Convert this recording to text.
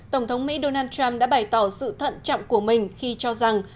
tổng thống mỹ donald trump đã bày tỏ sự thận trọng của mình khi cho rằng